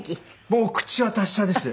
もう口は達者です。